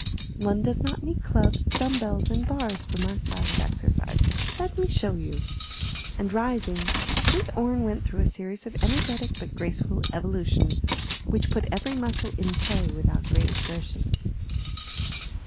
"One does not need clubs, dumb bells, and bars for my style of exercise. Let me show you;" and rising, Miss Orne went through a series of energetic but graceful evolutions, which put every muscle in play without great exertion.